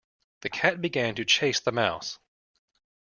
The cat began to chase the mouse.